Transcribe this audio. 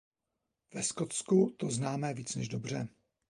Ve Skotsku to známe víc než dobře.